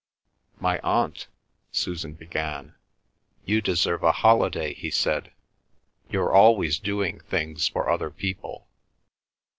"My aunt—" Susan began. "You deserve a holiday," he said. "You're always doing things for other people."